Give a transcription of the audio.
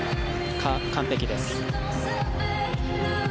完璧です。